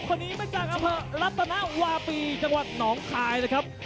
คนนี้มาจากอำเภอรัตนวาปีจังหวัดหนองคายนะครับ